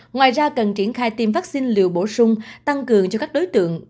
ngoài ra cần triển khai tiêm vaccine liều bổ sung tăng cường cho các đối tượng